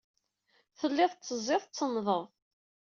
Tellid tettezzid, tettennḍed.